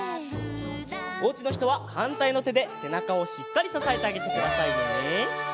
おうちのひとははんたいのてでせなかをしっかりささえてあげてくださいね。